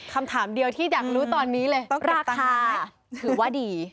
คำถามเดียวที่อยากรู้ตอนนี้เลยถือว่าดี